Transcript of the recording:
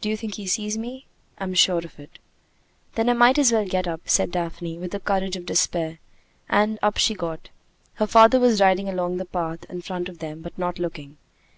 "Do you think he sees me?" "I'm sure of it." "Then I might as well get up," said Daphne, with the courage of despair, and up she got. Her father was riding along the path in front of them, but not looking.